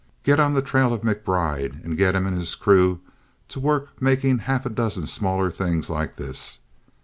Get on the trail of MacBride, and get him and his crew to work making half a dozen smaller things like this.